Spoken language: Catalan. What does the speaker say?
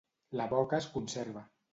La boca es conserva.